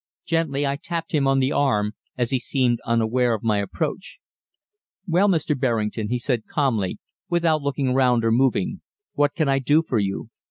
Gently I tapped him on the arm, as he seemed unaware of my approach. "Well, Mr. Berrington," he said calmly, without looking round or moving, "what can I do for you?"